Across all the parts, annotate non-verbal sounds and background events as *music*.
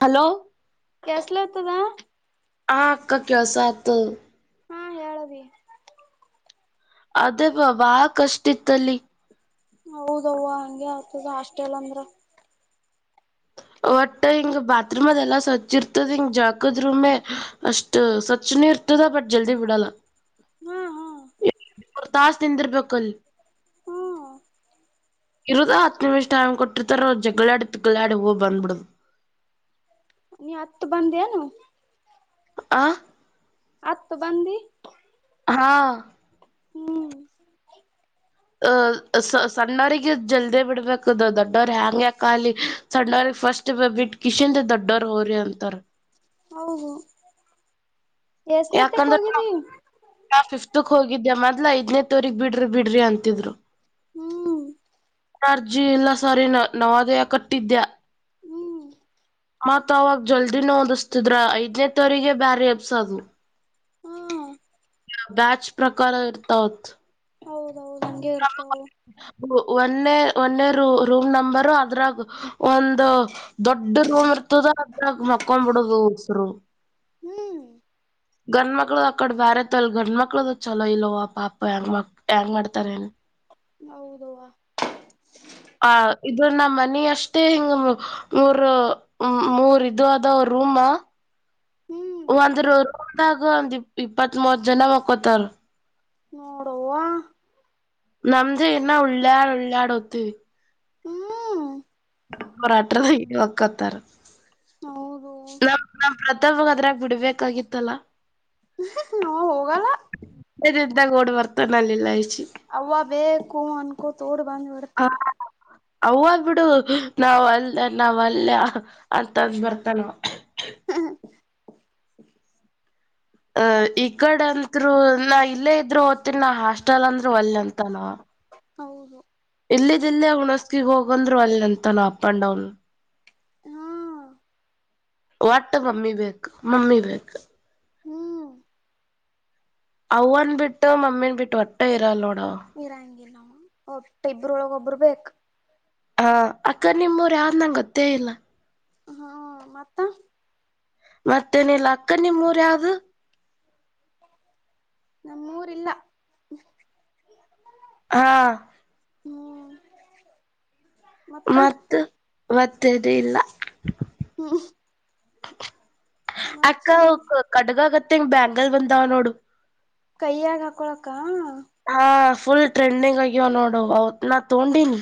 hello ಕೆಸಲತದ ಆ ಅಕ್ಕ ಕಸತ್ ಹಾ ಹೇಳಅವಿ ಅದೇ ಬ ಬಾಷ್ಟ ಇತ್ತಲ್ಲಿ ಹೌದವ್ವ ಹಂಗೆ ಆಗ್ತದ ಹಾಸ್ಟೆಲ್ ಅಂದ್ರ ಒಟ್ ಹಿಂಗ ಬಾತ್ರೂಮ್ ಅದ ಎಲ್ಲಾ ಸ್ವಚ್ ಇರ್ತದ ಹಿಂಗ ಜಾಕದ್ರೂಮೆ ಅಷ್ಟ್ ಸ್ವಚ್ನ ಇರ್ತದ ಬಟ್ ಜಲ್ದಿ ಬಿಡಲ್ಲ ಹಾ ಹಾ ಮೂರ್ ತಾಸ ನಿಂದ್ರ ಬೇಕಲ್ಲಿ ಹಾ ಇರುದ ಹತ್ತು ನಿಮಿಷ ಟೈಮ್ ಕೊಟ್ಟಿರ್ತಾರ ಜಗಳಾಡಿ ತಿಗ್ಗಳಾಡಿ ಹೂ ಬಂದ್ಬಿಡ್ದ ನೀ ಹತ ಬನ್ದನು ಆ ಹತ್ತು ಬಂದಿ ಹಾ ಹ್ಮ್ ಅಹ ಸ ಸಣ್ಣವಗ ಜಲ್ದಿ ಬಿಡ್ಬೇಕದ ದೊಡ್ಡವ್ರ ಹೆ್ಯಾಂಗ ಯಕಲಿ ಸಣ್ಣವ್ರಗ್ ಫಸ್ಟ್ ಬಿಟ್ಟ ಕಿಶನ್ ದೊಡ್ಡೋ್ರ ಹೋ್ರಿ ಅಂತಾರ ಹೌ ಹ ಎಷ್ಟನತಕ್ ಹೋಗಿದಿ ಕ್ ಹೋಗಿದ್ದೆ ಮೊದ್ಲ ಐದನೇ ತೋರಗ್ ಬಿಡ್ರಿ ಬಿಡ್ರಿ ಅಂತಿದ್ರು ಹ್ಮ್ ಅರ್ಜಿ ಇಲ್ಲ ಸರಿನ ನವದಯ ಕಟ್ಟಿದ್ಯಾ ಹ್ಮ್ ಮತ್ ಅವವಾಗ ಜಲ್ದಿ ನೋದಿಸ್ತಿದ್ರ ಐದ್ನೇ ತಾರಗ ಬ್ಯಾರಿ ಎಂಬುಸೋಡ್ ಅದು ಹಾ ಬ್ಯಾಚ್ ಪ್ರಕಾರ ಇರಾವಂತ ಹಂಗೆ ಇರ್ತಾವ ಒಂದೆ ಒನ್ನೇ ರೂ ರೂಮ್ ನಂಬರ್ ಅದ್ರಾಗ ಒಂದು ದೊಡ್ಡ ರೂಮ್ ಇರ್ತದ ಅದ್ರಾಗ ಮಕ್ಕೊಂಡ್ ಬಿಡದು ಹೋಗಸರು ಹ್ಮ್ ಗಂಡ ಮಕ್ಳು ಅಕಡೆ ಬ್ಯಾರೆತ ಇಲ್ ಗಂಡ ಮಕ್ಳ್ದ ಚಲೋ ಇಲ್ಲೋವ ಅ ಪಾ ಪಾ ಹೆಂಗ ಮಕ್ ಹೆಂಗ್ ಮಾಡ್ತಾರ ಏನು ಹೌದವಾ ಹ ಇದು ನ ಮನಿ ಅಷ್ಟೇ ಹಿಂಗ ಮೂರ ಮೂರ್ ಇ ಆದ ರೂಮ ಹ್ಮ್ ಒಂದ್ರ ಹದಾಗ ಒಂದ ಇಪ್ಪತ್ ಮೂವತ್ ಜನ ಮಕ್ಕೊತಾರ ನೋಡವಾ ನಮ್ಮದು ಎ್ಣ ಉಳ್ಳಾಡ್ ಉಳ್ಳಾಡ್ ಒತ್ತು ಹ್ಮ್ ಅವರು ಅಟ್ರದಿ ಒಕ್ಕತಾರ ಹೌದು ಹಲ ಪ್ರತಬ್ದಾಗ ಬಿಡ್ಬೇಕು *unintelligible* ಾಗಿತ್ತಲ್ಲ ನಾ ಹೋಗಲ್ಲ ಇದ ಓಡ್ ಬರ್ತಾನ ಅಲ್ಲಿಿಲ್ಲಷ್ಟ ಅವ್ವ ಬೇಕು ಅನ್ಕೊ ತೋಡ್ ಬಂದ್ಬ ಹಾ ಅವಾಗ್ ಬಿಿಡು ನಾವ್ ಅಲ್ ನಾವ್ ಅಲ್ಲ ಅಂತಂದ್ ಬರ್ತಾನ ಹ ಅ ಈ ಕಡೆ ಅಂಥ್ರೂ ನಾ ಇಲ್ಲೇ ಇದ್ರು ಓದ್ತಿನ ನಾ ಹಾಸ್ಟೆಲ್ ಅಂದ್ರು ಒಲ್ ಅಂತಾನ ಹದು ಇಲ್ಲಿದ್ದ ಇಿಲ್ಲ ಹುಣಸ್ಕಗ್ ಹೋಗಂದ್ರು ಒಲ್ಲೆ ಅಂತನ ಅಪ್ ಅಂಡ್ ಡೌನ್ ಹಾ ವಟ ಮಮ್ಮಿ ವಕ್ ಮಮ್ಮಿ ವಕ್ ಹ್ಮ್ ಅವನ್ ಬಿಟ್ಟು ಮಮ್ಮಿನ್ ಬಿಟ್ಟು ಒಟ್ಟೆ ಇರಲ್ ನೋ ಇರಾಂಗಿಲ್ಲ ಒಟ್ಟ ಇಬ್ರೊಳಗೊಬರು ಬೇಕ ಹಾ ಅಕ್ಕ ನಿಮ್ಮೂರು ಯಾವ್ ನಂಗ ಗೊತ್ತೇ ಇಲ್ಲ ಹ್ಮ ಮತ್ತ ಮತ್ತೇನಿಲ್ಲ ಅಕ್ಕ ನಿಮ್ಮೂರ ಯಾವ್ದು ನಮ್ಮೂರಿಲ್ಲ ಹಾ ಹ್ಮ್ ಮತ್ತ ಮತ್ತದ ಇಲ್ಲ ಹ್ಮ್ *inaudible* ಅಕ್ಕ ಮತ್ತ ಕಡಗ ಮತ್ತೆಂಗ್ ಬ್ಯಾಂಗಲ್ ಬಂದಾವ ನೋಡು ಕೈಯಾಗ ಹಾಕೊಳಕ್ಕ ಹಾ ಫುಲ್ ಟ್ರೆಂಡಿಂಗ್ ಆಗ್ಯವ ನೋಡು ಅವ ನಾ ತಗೊಂಡೀಿನಿ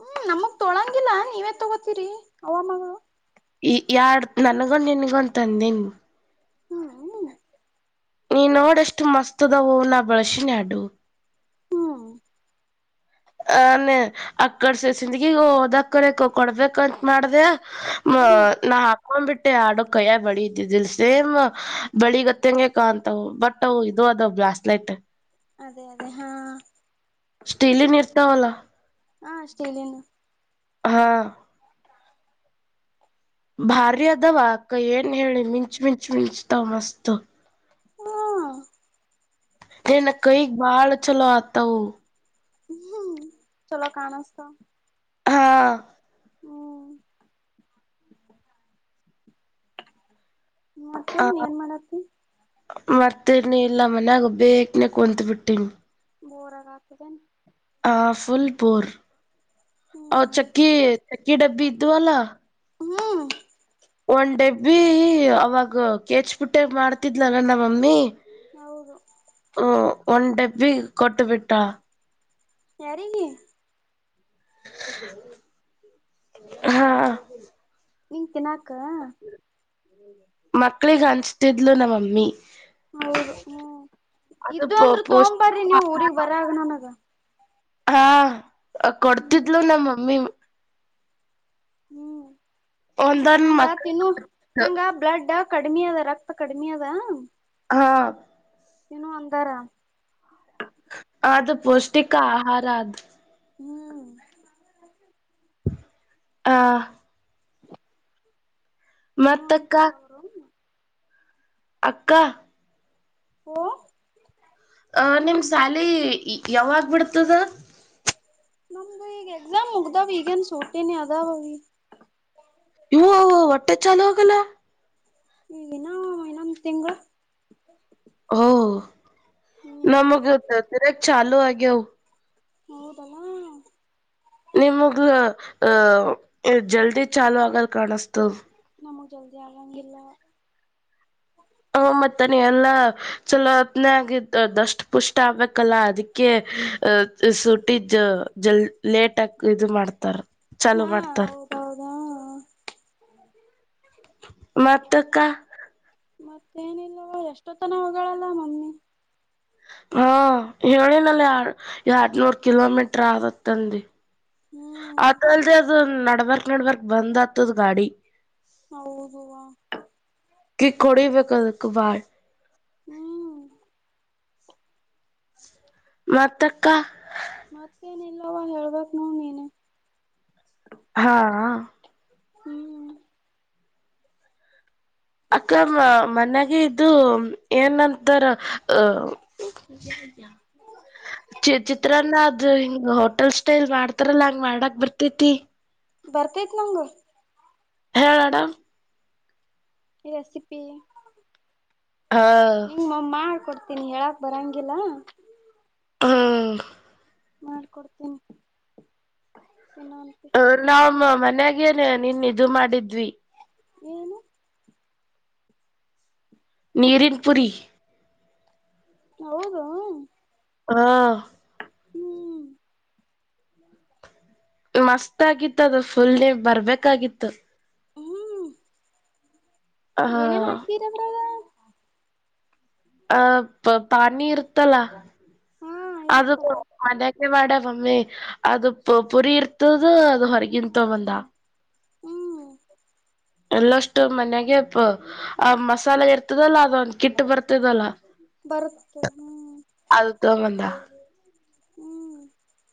ಹ್ಮ್ ನಮಗ್ ತೊಳಂಗಿಲ್ಲ ನೀವೇ ತಗೋತೀರಿ ಹವಾಮಗಳು ಈ ಯಾರ್ ನನ್ಗೊ ನಿನ್ಗೂಂತಂದ ಹಾ ನೀ ನೋಡಷ್ಟು ಮಸ್ತದವೂ ನ ಬಳಸಿನ ಅಡು ಹ್ಮ ಅನೆೇ ಅಕ್ಕರ್ಸ ಸಿಂದಗಿ ಹಓದಕರ ಕೊಡ್ಬೇಕಕ್ಂತ ಮಾಡ್ದ ಮ ಹ್ಮ್ ನಾ ಹಾಕೊ್ಬಿಟ್ಟೆ ಆಡುಕ್ ಕಯ್ಯ ಬಳಿ ಇದ್ದಿದಿಲ್ ಸೇಮ್ ಬಳಿ ಗತ್ತಂಗ ಕ ಅಂತವು ಬಟ್ ಅವು ಇದು ಅದ ಬ್ಲಾಸ್ಟ್ ಲೈಟ್ ಅದೇ ಅದೇ ಹಾ ತಲ ಹಾ ಅಷ್ಟೇ ಇಲ್ಲೇನು ಹಾ ಭಾರ್ಯದವಾ ಕ ಏನ್ ಹೇಳಿ ಮಿಂಚು ಮಿಂಚು ಮಿಂಚತಾವ ಮಸ್ತ್ ಹ್ಮ ನ ಕೈ ಬಾಳ ಚಲೋ ಆತ ಹ ಹ್ಮ್ ಚಲೋ ಕಾಣಸ್ತ ಹಾ ಮತ್ತ ಏನ್ ಮಾಡತಿ ಮತ್ತೇನ ಇಲ್ಲ ಮನ್ಯಾಗ ಬೇಕನೆ ಕುತ್ ಬಿಟ್ಟೀನಿ ಬೋರ ಕತದೆನೆ ಕಾಫುಲ್ಪೂರ್ ಅವ ಹ್ಮ್ ಚಕ್ಕಿ ಚಕ್ಕಿ ಡಬ್ಬಿ ಇದ್ದು ಅಲ್ಲಾ ಹ್ಮ್ ನ ಡೆಬ್ಬಿ ಅವಾಗ ಕೇಚ್ಬಿಟ್ಟೆ ಮಾಡ್ತಿದ್ಲಲ್ಲ ನ ಮಮ್ಮಿ ಹೌದು ಒನ್ಪ್ಪಿ ಕೊಟ್ಟ ಬಿಟ್ಟಾ ಯಾರಿಗೆ ಹಾ ನೀಂಗ ತಿಿನಾಕ ಮಕ್ಳಗ್ ಅನ್ಸ್ತಿದ್ಲು ನಮ್ಮಮ್ಮಿ ಹೌದು ಹ್ಮ ಅದು ಇದದು ಅಂದ್ರರು ಪೋಸ್ಟ್ ತಗಂಬರ್ರಿ ನೀವು್ ಊರಿಗ್ ಬರ ಆಗನನಗ ಹಾ ಹ್ಮ್ ಕೊಡ್ತಿದ್ಲು ನಮ್ಮ ಮಮ್ಮಿ ಹ್ಮ್ ಒಂದೊಂದ್ ನಂಗ ಮಕ್ಳ ತಿನ್ನು ನಂಗ ಬ್ಲಡ್ ಕಡಿಮೆ ಅದ ರಕ್ತ ಕಡಿಮಿ ಅದ ಹಾ ತಿನು ಅಂದಾರ ಆದದು ಪೌಷ್ಟಿಕ ಆಹಾರ ಆದ ಆದ ಹ್ಮ್ ಆ ಏನು ಅಂತ ಮತ್ತಕ್ಕ ಅವ ಅಕ್ಕ ಹ್ಮ ಅಹ ನಿಮ್ ಸಾಲಿ ಯಾವಾಗಬಿಡ್ತದ ನಮ್ದು ಈಗ ಎಕ್ಸಾಮ್ ಮುಗ್ದಾವ ಈಗನ್ ಸೋಟೇನೆ ಅದಾವ ಅವೀ ಇವು ಹೊಟ್ಟೆ ಚಾಲು ಹೋಗಲ್ಲ ಈಿನ ಇನ್ನಮ್ಮ ತಿಂಗಳು ಹೂ ನಮಗತ್ತ ಚ ಆಗೇವೂ ಹೌದಲ್ಲಾ ನಿಮಗ ಅಹ ಜಲ್ದಿ ಚಾಾಲೂ ಆಗಲ್ ಕಾಣಸ್ತದ ನಮು ಜಲ್ದಿ ಅಂಗಿಲ್ಲ ಹ ಮತ್ತಾನೆ ಎಲ್ಲಾ ಚಲೋ ಹತ್ನೇ ಆಗಿದ್ದ ದಷ್ಟು ಪುಷ್ಟ ಆಗ್ಬೇಕಲ್ಲ ಅದಕ್ಕೆ ಅ ಸುಟ್ಟ ಜಲ್ ಲೇಟ್ ಆಗ ಇದು ಮಾಡ್ತಾರ ಚಾಲೂ ಹಾ ಮಾಡ್ತರಾ ಹೌದೌದಾ ಮತ ಕಾ ಮತ್ತೇಏನಿಿಲ್ಲವ ಎಷ್ಟೋತನ ಹೊಗಳಗಳಲ್ಲ ಮಮ್ಮಿ ಹಾ ಹೇಳಿನಲ್ಲ ಎರಡ್ನೂರ್ ಕಿಲೋಮೀಟರ್ ಆದತ್ತಂದ ಹ್ಮ್ ಅಧಲ್ಧೆ ಅದು ನಾ ನಡಬರ್ಕ್ ನಡ್ಬರ್ಕ್ ಬಂದ್ ಆತದ ಗಾಡಿ ಹೌದುವಾ ಕಿಕ್ ಹೋಡಿಬೇಕೇಕದಕ್ಕೆ ಬಳ್ ಹ್ಮ್ ಮತ್ತಕ್ಕ ಮತ್ತೇನಲ್ವ ಹೇಳ್ಬೇಕಕ್ ನೋ ನೀನ ಹಾ ಹ್ಮ್ ಅಕ್ಕ ಮನ್ಾಗ ಇದು ಏನಂತಾರ ಅ ಚಿ ಚಿತ್ರಾನ್ನ ಅದು ಹಿಂಗ ಹೋಟೆಲ್ ಸ್ಟೈಲ್ ಮಾಡ್ತಾರಲ್ಲಾ ಹಂಗ್ ಮಾಡಕ್ ಬರ್ತೇತಿ ಬರ್ತೈತ್ ನಂಗ ಹ ಮಾಡಮ *unintelligible* ರೆಸಿಪಿ ಹಾ ನಿಂಗ ಮ ಮಾಡಿಕೊಡ್ತನಿ ತಿನ್ ಹೇಳಾಕ್ ಬರಂಗಿಲ್ಲ ಹಾ ಮಾಡ್ಕೊಡ್ತೀನಿ ತಿನ್ನಂತೆ ಅವ್ರ ನಾವ್ ಮನಿಯಾಗೇ ಹಾಗೇನ ನಿನ್ ಇದು ಮಾಡಿದ್ವಿ ಏನು ನೀರಿನ್ ಪುರಿ ಹೌದ ಹಾ ಮಸ್ತ್ ಆಗಿತ್ತು ಅದು ಫುಲ್ ನೀ ಬರ್ಬೇಕಾಗಿತ್ತು ಆ ಏನೇನು ಹಾಕಿದ್ರಿ ಅದ್ರಾಗ ಆ ಪಾನಿ ಇರ್ತ್ತಲ್ಲ ಹಾ ಅದು ಇರುತ್ತಲ್ಲ ಅದ ಮಾಡ ಮಮ್ಮಿ ಅದು ಪುರಿ ಇರ್ತದ ಅದು ಹೊರಗಿಂದ ತಕೊ ಬಂದ *unintelligible* ಹ್ಮ್ ಎಲ್ಲಷ್ಟು ಮನ್ಯಾಗ ಪ ಆ ಮಸಾಲೆ ಇರ್ತದಲ್ಲ ಅದೊಂದ ಕಿಟ್ ಬರ್ತದಲ್ಲ ಬರ್ ಹ್ಮ್ ಅದು *unintelligible* ಹ್ಮ್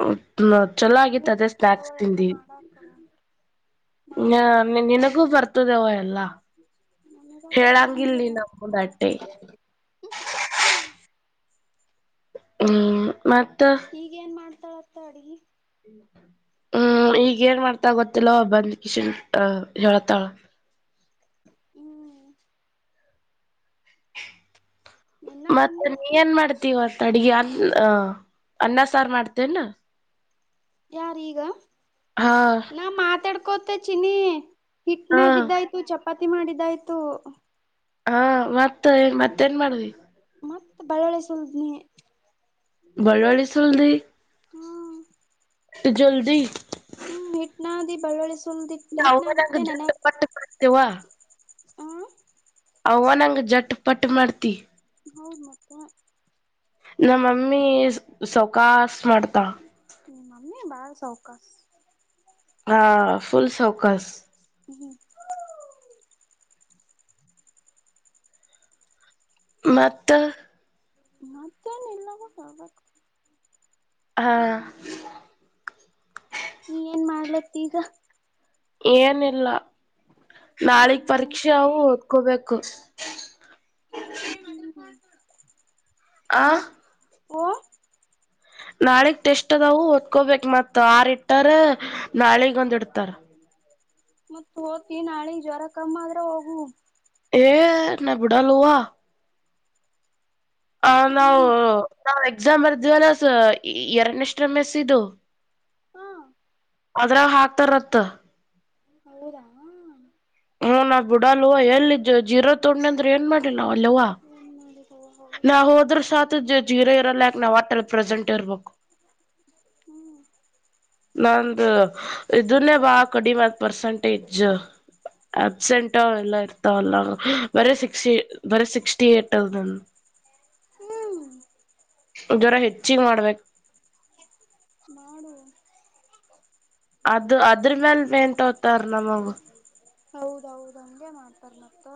ಹ ಹಾ ಚಲೋ ಆಗಿತ್ತು ನಮಗ್ ಅದೇ ಬರ್ತದವ ಸ್ನಾಯಕ್ಸ್ ಎಲ್ಲಾ ತಿಂದಿ ಮಾಡಾಕ ಮಾಡ್ತಾಳೆ ನಿನಗೂ ಬರ್ತದೆವ ಎಲ್ಲಾ ನಮಗೆ ಅಷ್ಟು ಹೇಳಂಗಿಲ್ ನೀ ಬರಗಿಲ್ಲ ನಮ್ಗ ಅಟ್ಟೆ ಹ್ಮ್ ಮತ್ತೆ ಈಗ ಏನ್ ಮಾಡ ಮಾಡ್ತಾಳಂತ ಅಡುಗೆ ಹ್ಮ್ ಈಗ ಏನ್ ಮಾಡ್ತಾ ಗೊತ್ತಿಲ್ಲ ಬಂದ್ ಕಿಶನ್ ಅ ಹೇಳತಾಳ ಹ್ಮ್ ಇನ್ನ ಮತ್ತೆ ಬಂದಿಲ್ಲ ನೀ ಏನ್ ಮಾಡಿದೆ ಇವತ್ತು ಅಡಗೆ ಅತ ಅನ್ನ ಸಾರ್ ಮಾಡ್ತೇನ ಯಾರ್ ಈಗ ಹಾ ನಾ ಮಾತಾಡ್ ಗೋತ್ತ ಚಿನ್ನಿ ಹಿಟ್ನಾ ಹಾ ಬಿದೋಯ್ತು ಚಪಾತಿ ಚಾಪತಿ ಮಾಡಿದ್ದಾಯ್ತು ಹಾ ಮತ್ತ ಮತ್ತೇನ್ ಮಾಡವಿ ಮತ್ತ ಬಳ್ಳೊಳ್ಳಿಸುಲ್ದನಿ ಬಲ್ಲೋಳಿ ಸುಲ್ದಿ ಹ್ಮ್ ಜಲ್ದಿ ಬ ನವುರಾಗ ಜಟ್ಟ ಪಟ್ಟ ಕಡ್ತೇವಾ ಹಾ ಅವ ನಂಗ ಜಟ್ ಪಟ್ ಮಾಡ್ತಿ ಹೌದು ಮತ್ತೆ ನಮ್ಮಮ್ಮಿ ಸೌಕಾಸ ಮಾಡ್ತ ಸೌಕಶ ಹಾ ಫುಲ್ ಸೌಕಸ್ ಹ್ಮ ಮತ್ತ ಮತ್ತೇನ್ ಎಲ್ಲವೂ ಹೋಗಬೇಕು ಹಾ ನೀ ಏನ್ ಮಾಡ್ಲತ್ತ ಈಗ ಏನ ಇಲ್ಲ ನಾಳಗ್ ಪರೀಕ್ಷೆವು ಓದ್ಕೋಬೇಕು *inaudible* ಆ ಓ ನಾಳಗ್ ಟೆಸ್ಟ್ ಅದಾವ ಒದಕೊಬೇಕ ಮತ್ ಆರ್ ಇಟ್ಟಾರ ನಾಳಿಗ್ ಒಂದ ಇಡ್ತಾರ ಮತ್ ಹೋತಿ ನಾಳೆ ಜ್ವರ ಕಮ್ಮ ಆದ್ರೆ ಹೋಗುವ ಏ ನಾ ಬಿಡಲ್ಲ ವಾ ಆ ನಾವು ಹ್ಮ್ ನಾವ್ ಎಕ್ಸಾಮ್ ಬರ್ದವಲ್ಲ ಎರನಷ್ಟರ ಮೆಸ್ ಇದು ಹ್ಮ ಅದ್ರಾವ ಹಾಕ್ತಾರ ರತ್ ಹಲ್ಲದಾ ಹ್ಮ್ ನಾ ಬಿಡಲ್ ಎಲ್ಲಿ ಜೀರೋ ತೊಂದ್ನಿ ಅಂದ್ರ ಏನ್ ಮಾಡಿಲ್ಲ ವಲವಾ ಏನ್ ಮಾಡಿದ ಹೋಗಿ ನಾವ್ ಹೋದ್ರ ಸಾತ್ ಜೀರ ಇರಲ್ಲ ಯಾಕೆ ನಾವ್ ಆಟಲ್ ಪ್ರೆಸೆಂಟ್ ಇರ್ಬೇಕು ಹ್ಮ್ ನಂದು ಇದನ್ನೇ ಬಾ ಕಡಿಮೆದ ಪರ್ಸಂಟೇಜ್ ಅಬ್ಸೆಂಟ್ ಎಲ್ಲ ಇರ್ತಾವಲ್ಲ ಬರ ಸಿಕ್ಸ್ಟಿ ಬರ ಸಿಕ್ಸ್ಟಿ ಏಟ್ ಅದ ಹ್ಮ್ ಜ್ವರ ಹೆಚ್ಚಿಗೆ ಮಾಡ್ಬೇಕ ಮಾಡು ಅದು ಅದ್ರ ಮೇಲ್ ಎನ್ ತ ಹ್ತಾರ ನಮಗ ಹೌದೌದು ಹಂಗಗೆ ಮಾಡ್ತಾರೆ ಮತ್ತ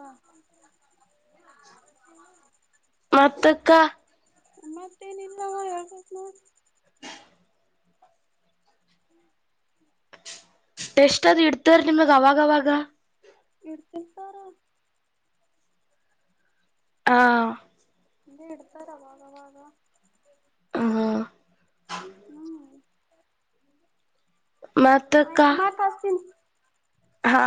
ಪತ್ತಕ್ಕ ಮತ್ತೇನಿಲ್ಲಾವ ಯ ನೋ ಎಷ್ಟದು್ ಇಡ್ತಾರ ನಿಮಗ್ ಅವಾಗವಾಗ ಇಡ್ತ ಸಾರ ಹಾ ಇ ಎಡ್ತಾರ ಬಾಗ ಬಾಗ ಹ್ಮ ಹ್ಮ್ ಮತ್ತಕ್ಕ ಆಯ್ತು ಮಾತ್ಾಸ್ತೀನ್ಿ ಹಾ